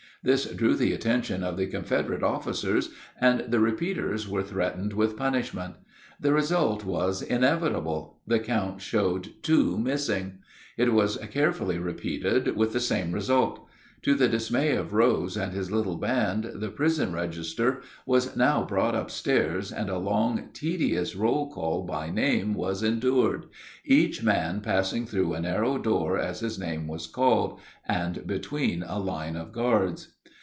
This drew the attention of the Confederate officers, and the repeaters were threatened with punishment. The result was inevitable: the count showed two missing. It was carefully repeated, with the same result. To the dismay of Rose and his little band, the prison register was now brought up stairs and a long, tedious roll call by name was endured, each man passing through a narrow door as his name was called, and between a line of guards.